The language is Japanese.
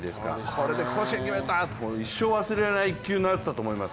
これで甲子園を決めたっていう一生忘れられない一球になったと思います。